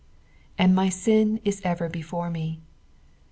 "And my tin it ener before me."